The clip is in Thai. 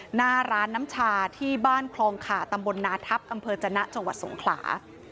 หน้าร้านน้ำชาที่บ้านคลองขาตำบลนาทัพอำเภอจนะจังหวัดสงขลา